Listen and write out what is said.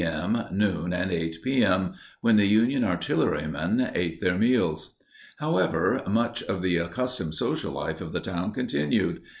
m., noon, and 8 p. m.—when the Union artillerymen ate their meals. However, much of the accustomed social life of the town continued.